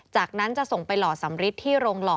จากนั้นจะส่งไปหล่อสำริดที่โรงหล่อ